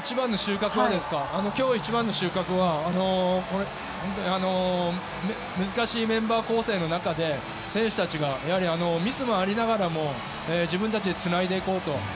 今日一番の収穫は難しいメンバー構成の中で選手たちが、ミスもありながらも自分たちでつないでいこうと。